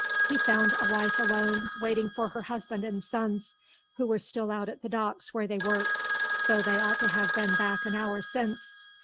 He found a wife alone, waiting for her husband and sons, who were still out at the docks where they worked, though they ought to have been back an hour since.